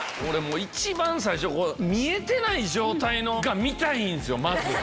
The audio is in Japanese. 一番最初見えてない状態のが見たいんすよ。